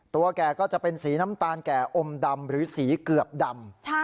แก่ก็จะเป็นสีน้ำตาลแก่อมดำหรือสีเกือบดำ